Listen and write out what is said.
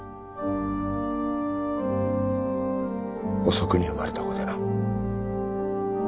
遅くに生まれた子でな。